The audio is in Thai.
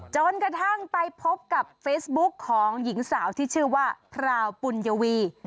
จนกระทั่งไปพบกับเฟซบุ๊กของหญิงสาวที่ชื่อว่าพราวปุญยวี